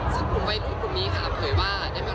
ซึ่งความใจที่จำไม่ทรงคำได้คือ